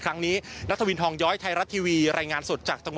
ครั้งนี้นัทวินทองย้อยไทยรัฐทีวีรายงานสดจากจังหวัด